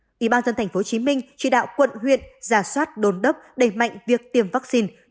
ủy ban dân thành phố hồ chí minh chỉ đạo quận huyện ra soát đồn đốc đẩy mạnh việc tiêm vaccine